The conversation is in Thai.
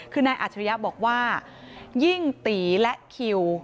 คือนายอัจฉริยะบอกว่ายิ่งตีและคิว